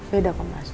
beda kok mas